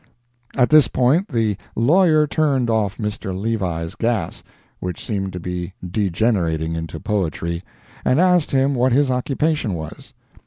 At this point the lawyer turned off Mr. Levi's gas, which seemed to be degenerating into poetry, and asked him what his occupation was?